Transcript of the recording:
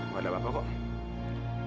gak ada apa apa kok